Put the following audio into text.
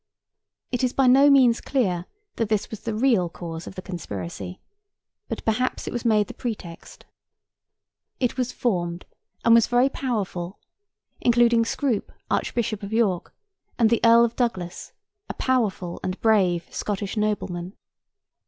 It is by no means clear that this was the real cause of the conspiracy; but perhaps it was made the pretext. It was formed, and was very powerful; including Scroop, Archbishop of York, and the Earl of Douglas, a powerful and brave Scottish nobleman.